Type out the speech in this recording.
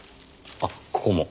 あっここも。